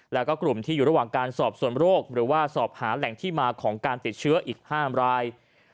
แล้วก็กลุ่มที่อยู่ระหว่างการสอบส่วนโรคหรือว่าสอบหาแหล่งที่มาของการติดเชื้ออีก๕ราย